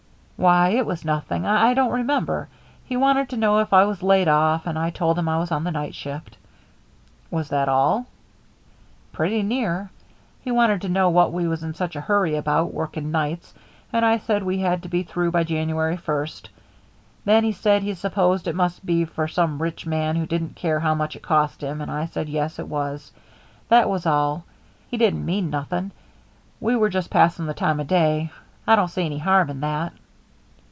"Why, it was nothing. I don't remember. He wanted to know if I was laid off, and I told him I was on the night shift." "Was that all?" "Pretty near. He wanted to know what we was in such a hurry about, working nights, and I said we had to be through by January first. Then he said he supposed it must be for some rich man who didn't care how much it cost him; and I said yes, it was. That was all. He didn't mean nothing. We were just passing the time of day. I don't see any harm in that."